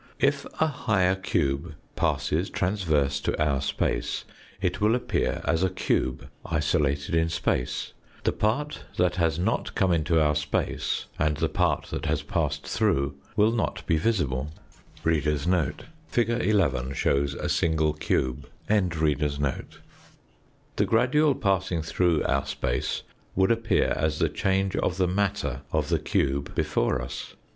If a higher cube passes transverse to our space, it will appear as a cube isolated in space, the part that has not come into our space and the part that has passed through will not be visible. The gradual passing through our space would appear as the change of the matter of the cube Fig. 11. before us.